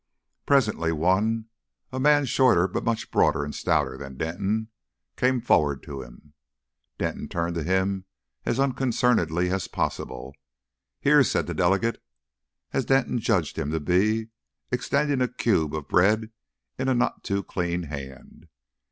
Presently one, a man shorter but much broader and stouter than Denton, came forward to him. Denton turned to him as unconcernedly as possible. "Here!" said the delegate as Denton judged him to be extending a cube of bread in a not too clean hand.